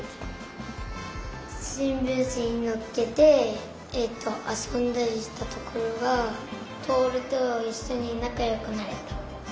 しんぶんしにのっけてえっとあそんだりしたところがぼおるといっしょになかよくなれた。